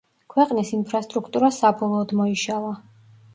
ქვეყნის ინფრასტრუქტურა საბოლოოდ მოიშალა.